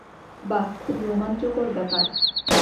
বাহ খুব রোমাঞ্চকর ব্যাপার।